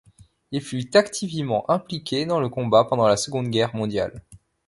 Il fut activiment impliqué dans le combat pendant la Seconde Guerre mondiale.